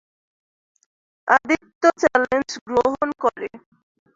Aditya challenge গ্রহণ করে।